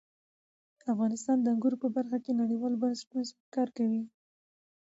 افغانستان د انګور په برخه کې نړیوالو بنسټونو سره کار کوي.